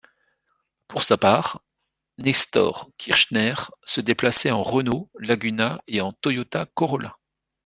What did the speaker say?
Pour sa part, Nestor Kirchner se déplaçait en Renault Laguna et en Toyota Corolla.